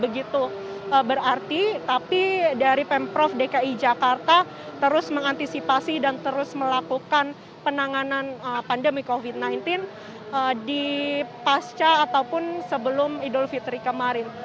begitu berarti tapi dari pemprov dki jakarta terus mengantisipasi dan terus melakukan penanganan pandemi covid sembilan belas di pasca ataupun sebelum idul fitri kemarin